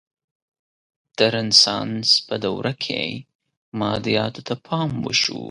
د رنسانس په دوره کې مادیاتو ته پام وشو.